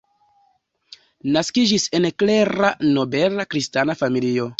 Naskiĝis en klera nobela kristana familio.